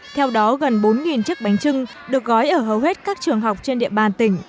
theo đó gần bốn chiếc bánh trưng được gói ở hầu hết các trường học trên địa bàn tỉnh